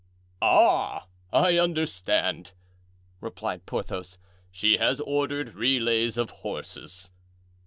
"Ah! I understand," replied Porthos; "she has ordered relays of horses."